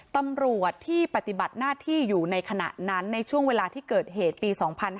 ตำรวจที่ปฏิบัติหน้าที่อยู่ในขณะนั้นในช่วงเวลาที่เกิดเหตุปี๒๕๕๙